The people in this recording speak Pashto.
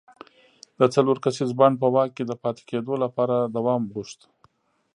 د څلور کسیز بانډ په واک کې د پاتې کېدو لپاره دوام غوښت.